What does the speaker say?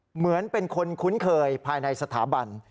เหมือนเป็นคนคุ้นเคยภายในสถาบัน